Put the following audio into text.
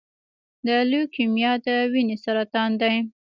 د لیوکیمیا د وینې سرطان دی.